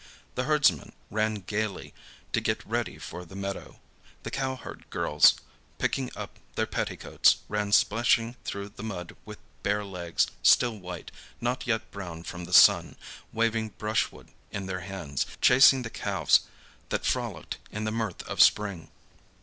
The herdsman ran gaily to get ready for the meadow. The cowherd girls, picking up their petticoats, ran splashing through the mud with bare legs, still white, not yet brown from the sun, waving brush wood in their hands, chasing the calves that frolicked in the mirth of spring.